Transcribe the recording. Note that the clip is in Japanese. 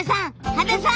羽田さん！